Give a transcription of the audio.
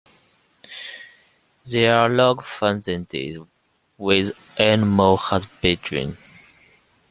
There are large fazendas with animal husbandry.